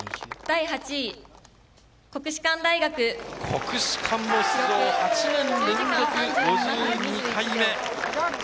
国士舘も出場、８年連続５２回目。